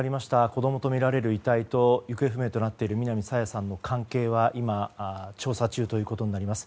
子供とみられる遺体と行方不明となっている南朝芽さんの関係は今、調査中ということになります。